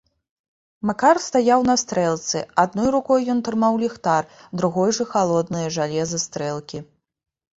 Макар стаяў на стрэлцы, адной рукой ён трымаў ліхтар, другой жа халоднае жалеза стрэлкі.